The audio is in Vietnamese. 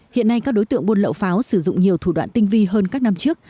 hiện nay các đối tượng buôn lậu pháo sử dụng nhiều thủ đoạn tinh vi hơn các năm trước